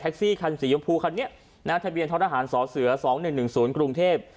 แท็กซี่คันสียมพูคันนี้นาธิเบียนทราหารสอเสือสองหนึ่งหนึ่งศูนย์กรุงเทพ